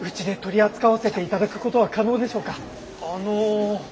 あの。